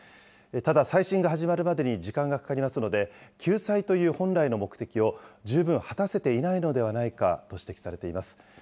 ただ、再審が始まるまでに時間がかかりますので、救済という本来の目的を十分果たせていないのではないかと指摘されています。